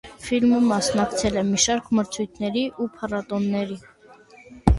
Ֆիլմը մասնակցել է մի շարք մրցույթների ու փառատոնների։